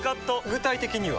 具体的には？